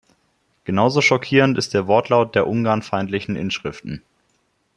Genauso schockierend ist der Wortlaut der ungarnfeindlichen Inschriften.